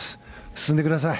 進んでください。